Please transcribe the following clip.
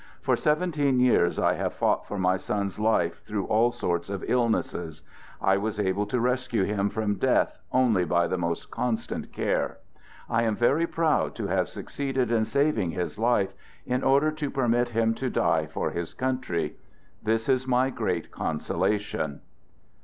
For seventeen years, I have fought for my son's life through all sorts of illnesses. I was able to rescue him from death only by the most constant care. I am very proud to have succeeded in saving his life, in order to permit him to die for ! his country. This is my great consolation.